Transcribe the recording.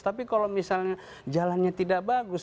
tapi kalau misalnya jalannya tidak bagus